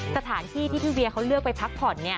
สถานที่ที่พี่เวียเขาเลือกไปพักผ่อน